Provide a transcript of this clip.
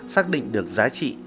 xác định được giá trị